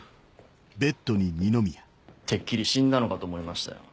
てっきり死んだのかと思いましたよ。